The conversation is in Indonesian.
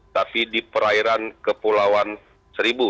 tapi di perairan kepulauan seribu